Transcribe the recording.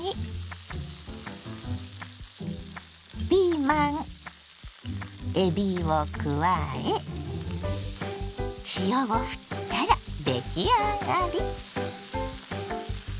ピーマンえびを加え塩をふったら出来上がり。